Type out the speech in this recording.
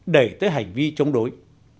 đẩy tới hành vi chống đối